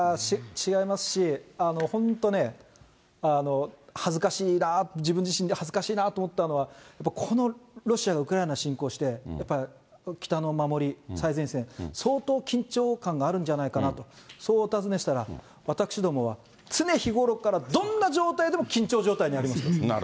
違いますし、本当ね、恥ずかしいな、自分自身で恥ずかしいなと思ったのは、やっぱこのロシアがウクライナ侵攻して、やっぱり北の守り、最前線、相当緊張感があるんじゃないかなと、そうお尋ねしたら、私どもは、常日頃からどんな状態でも緊張状態にありますと。